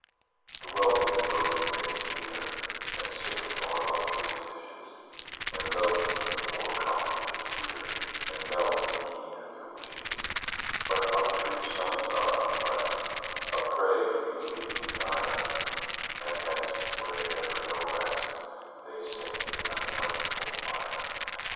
The wealthy and bloated may sneer, And sicken o'er luxury's dishes, And loathe the poor cottager's cheer, And melt in the heat of their wishes: But luxury's sons are unblest, A prey to each giddy desire, And hence, where they never know rest, They sink in unquenchable fire.